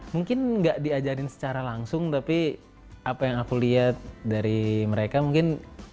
mungkin gak diajarin secara langsung tapi apa yang aku lihat dari mereka mungkin